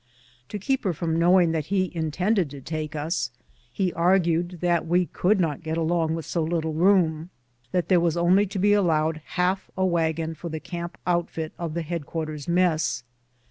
To keep her from knowing that he in tended to take us, he argued that we could not get along with so little room ; that there was only to be allowed half a wagon for the camp outfit of the head quarters mess.